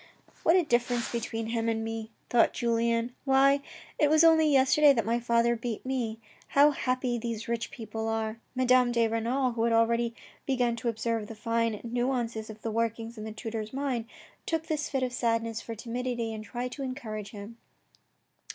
What a difference between him and me, thought Julien. Why, it was only yesterday that my father beat me. How happy these rich people are. Madame de Renal, who had already begun to observe the fine nuances of the workings in the tutor's mind, took this fit of sadness for timidity and tried to encourage him.